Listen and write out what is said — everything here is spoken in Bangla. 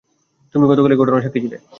তুমিই গতকালের ঘটনার সাক্ষী ছিলে?